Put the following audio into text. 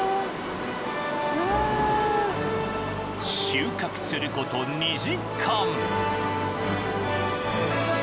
［収穫すること２時間］